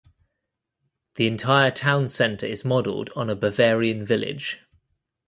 The entire town center is modeled on a Bavarian village.